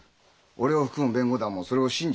俺を含む弁護団もそれを信じている。